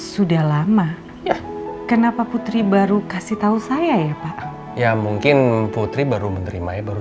sudah lama ya kenapa putri baru kasih tahu saya ya pak ya mungkin putri baru menerima ya baru